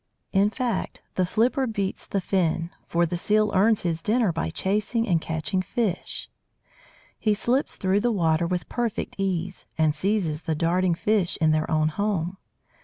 In fact, the flipper beats the fin, for the Seal earns his dinner by chasing and catching fish. He slips through the water with perfect ease, and seizes the darting fish in their own home.